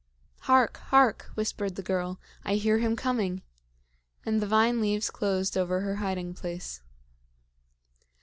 "Hark! hark!" whispered the girl. "I hear him coming!" And the vine leaves closed over her hiding place.